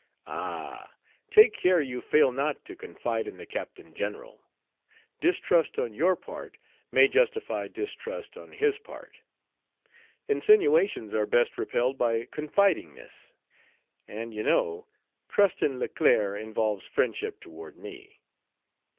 Ah! take care you fail not to confide in the Captain General. Distrust on your part may justify distrust on his part. Insinuations are best repelled by confidingness. And, you know, trust in Leclerc involves friendship toward me.